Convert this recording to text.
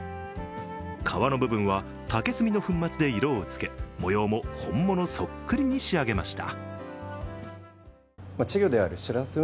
皮の部分は竹炭の粉末で色をつけ、模様も本物そっくりに仕上げました。